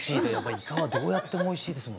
イカはどうやってもおいしいですもんね。